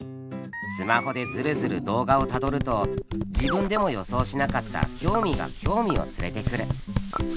スマホでズルズル動画をたどると自分でも予想しなかった興味が興味を連れてくる。